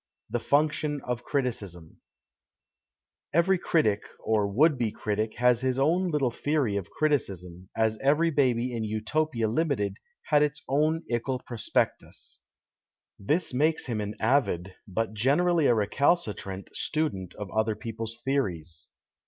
77 THE FUNCTION OF CRITICISM EvEKY critic or would be critic has his own Httlc theory of criticism, as every baby in Utopia Limited had its own ickle prospectus. This makes him an avid, but generally a recalcitrant, student of other people's theories.